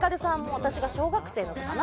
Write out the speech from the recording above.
私が小学生の時かな。